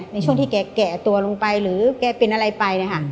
ในช่วงที่แกแก่ตัวลงไปหรือแกเป็นอะไรไปนะคะ